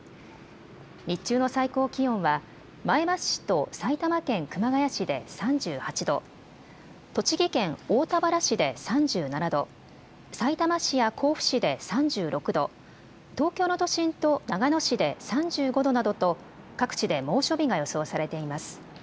日中の最高気温は前橋市と埼玉県熊谷市で３８度、栃木県大田原市で３７度、さいたま市や甲府市で３６度、東京の都心と長野市で３５度などと各地で猛暑日が予想されています。